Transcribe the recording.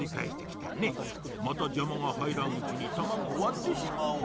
またじゃまがはいらんうちにたまごをわってしまおう。